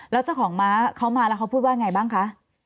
แล้วเจ้าของม้าเขามาแล้วเขาพูดว่าไงบ้างคะ